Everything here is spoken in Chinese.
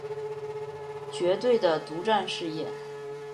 绝对的独占事业